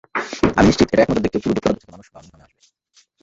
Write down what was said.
আমি নিশ্চিত, এটা একনজর দেখতে পুরো যুক্তরাজ্য থেকে মানুষ বার্মিংহামে আসবে।